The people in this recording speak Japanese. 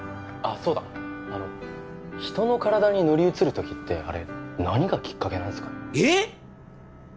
そうだあの人の体に乗り移る時ってあれ何がきっかけなんすかねえっ？